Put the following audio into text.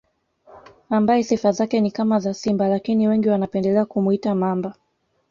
Ambaye sifa zake ni kama za simba lakini wengi wanapendelea kumuita Mamba